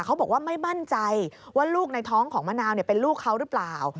เขาบอกว่าไม่มั่นใจว่าลูกในท้องของมะนาวเป็นลูกเขาหรือเปล่า